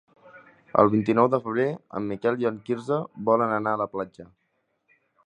El vint-i-nou de febrer en Miquel i en Quirze volen anar a la platja.